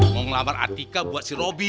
mau ngelamar artika buat si robi